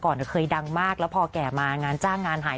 เคยดังมากแล้วพอแก่มางานจ้างงานหาย